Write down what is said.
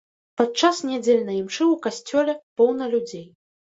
Падчас нядзельнай імшы ў касцёле поўна людзей.